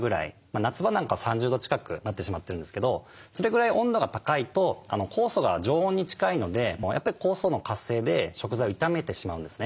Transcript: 夏場なんか３０度近くなってしまってるんですけどそれぐらい温度が高いと酵素が常温に近いのでやっぱり酵素の活性で食材を傷めてしまうんですね。